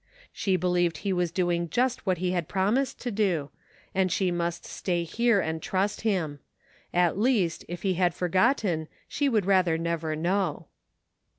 She believed he was doing just what he had promised to do, and she must stay here and trust him. At least, if he had forgotten, she would rather never know.